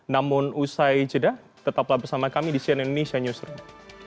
namun usai jeda tetaplah bersama kami di cnn indonesia newsroom